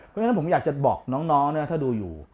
เพราะฉะนั้นผมอยากจะบอกน้องนะถ้าดูอยู่